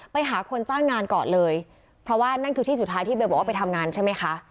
ไปหาคนจ้างงานก่อนเลยเพราะว่านั่นคือที่สุดท้ายที่เบลบอกว่าไปทำงานใช่ไหมคะ